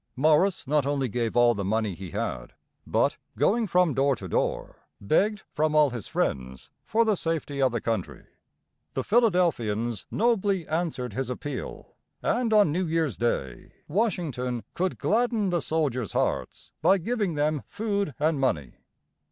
Morris not only gave all the money he had, but, going from door to door, begged from all his friends for the safety of the country. The Philadelphians nobly answered his appeal, and on New Year's Day Washington could gladden the soldiers' hearts by giving them food and money.